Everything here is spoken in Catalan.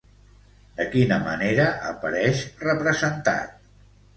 De quina manera apareix representat?